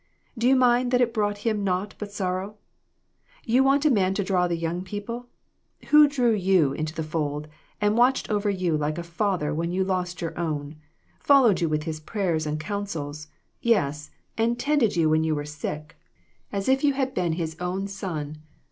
Do you mind that it brought him naught but sorrow ? You want a man to draw the young people ! Who drew you into the fold, and watched over you like a father when you lost your own, followed you with his prayers and counsels ; yes, and tended you when you were sick, PERSECUTION OF THE SAINTS. 1 93 as if you had been his own son